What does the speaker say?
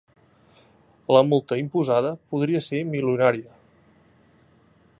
La multa imposada podria ser milionària